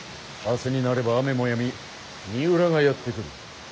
明日になれば雨もやみ三浦がやって来る。